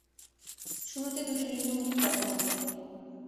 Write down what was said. শুরুতে দুটি নিম্নমুখী গর্ত থাকে।